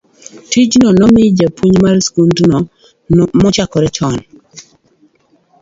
tijno nomi japuonj mar skundno machakre chon